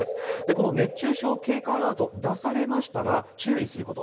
この熱中症警戒アラート、出されましたら注意すること。